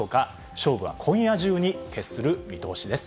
勝負は今夜中に決する見通しです。